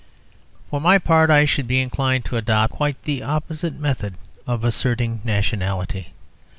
For my part, I should be inclined to adopt quite the opposite method of asserting nationality.